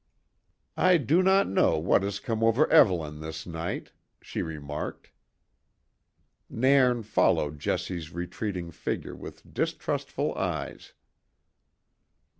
"I do not know what has come over Evelyn this night," she remarked. Nairn followed Jessie's retreating figure with distrustful eyes.